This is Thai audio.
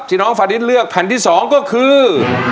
ที่น้องฟาดินเลือกแผ่นที่สองก็คือ